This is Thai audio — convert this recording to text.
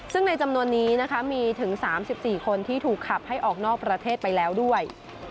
ซึ่งในจำนวนนี้นะคะมีถึง๓๔คนที่ถูกขับให้ออกนอกประเทศไปแล้วด้วย